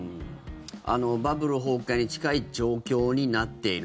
バブル崩壊に近い状況になっている。